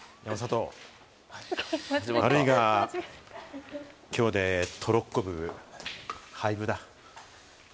山里、悪いが、きょうでトロッコ部、廃部だ。